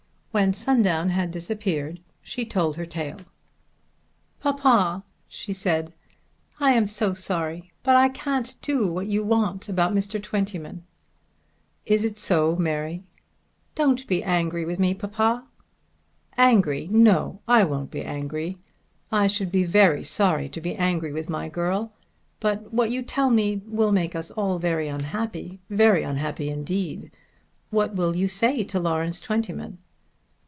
When Sundown had disappeared she told her tale. "Papa," she said, "I am so sorry, but I can't do what you want about Mr. Twentyman." "Is it so, Mary?" "Don't be angry with me, papa." "Angry! No; I won't be angry. I should be very sorry to be angry with my girl. But what you tell me will make us all very unhappy; very unhappy indeed. What will you say to Lawrence Twentyman?"